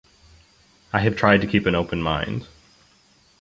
I have tried to keep an open mind.